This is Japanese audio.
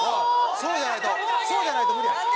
そうじゃないとそうじゃないと無理や。